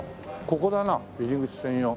ここだな入り口専用。